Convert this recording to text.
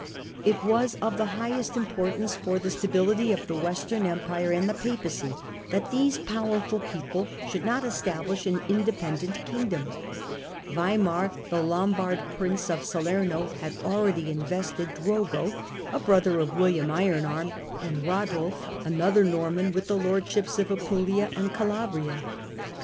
It was of the highest importance for the stability of the Western Empire and of the Papacy that these powerful people should not establish an independent kingdom. Waimar, the Lombard prince of Salerno, had already invested Drogo, a brother of William Iron arm, and Radulf, another Norman, with the lordships of Apulia and Calabria.